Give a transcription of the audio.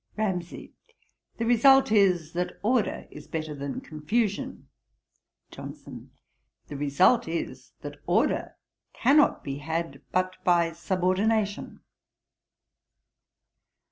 RAMSAY. 'The result is, that order is better than confusion.' JOHNSON. 'The result is, that order cannot be had but by subordination.'